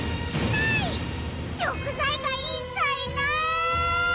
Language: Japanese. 食材が一切ない！